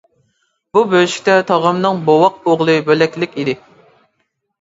بۇ بۆشۈكتە تاغامنىڭ بوۋاق ئوغلى بۆلەكلىك ئىدى.